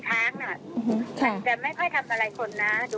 แท้เราคนไม่ไปแยะไปอะไรมันกวด